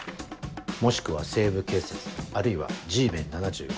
もしくは『西部警察』あるいは『Ｇメン’７５』ね。